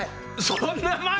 そんな前？